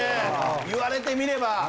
言われてみれば。